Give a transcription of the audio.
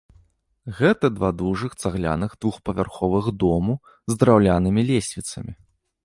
Гэта два дужых цагляных двухпавярховых дому з драўлянымі лесвіцамі.